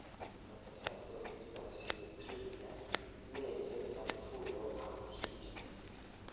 La fasado estas simetria, meze la turo altiĝas.